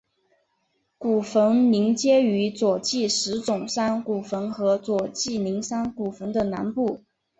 古坟邻接于佐纪石冢山古坟和佐纪陵山古坟的南部。